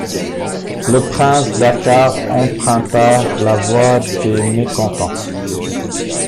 Le prince Dakkar emprunta la voix des mécontents.